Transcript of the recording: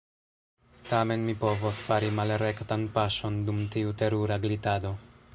Tamen, mi povos fari malrektan paŝon dum tiu terura glitado.